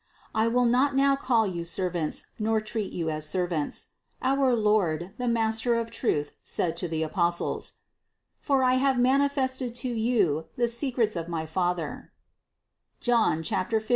"I THE CONCEPTION 479 will not now call you servants, nor treat you as servants," our Lord, the Master of truth said to the Apostles, "for I have manifested to you the secrets of my Father," (John 15, 15).